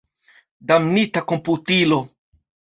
Damnita komputilo!